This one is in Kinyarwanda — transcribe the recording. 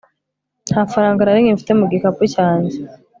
nta faranga na rimwe mfite mu gikapu cyanjye